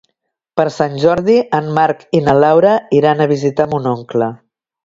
Per Sant Jordi en Marc i na Laura iran a visitar mon oncle.